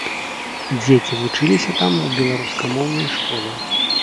Дзеці вучыліся там у беларускамоўнай школе.